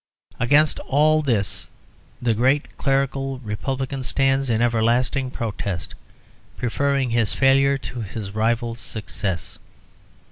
Against all this the great clerical republican stands in everlasting protest, preferring his failure to his rival's success.